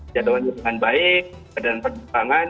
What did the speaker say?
jadwalnya dengan baik keadaan perkembangan